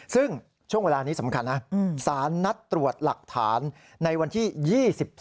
ซึ่งช่วงเวลานี้สำคัญนะสารนัดตรวจหลักฐานในวันที่๒๒